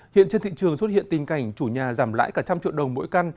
hiện trên thị trường xuất hiện tình cảnh chủ nhà giảm lại cả một trăm linh triệu đồng mỗi căn